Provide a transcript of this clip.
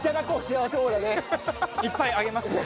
いっぱいあげますので。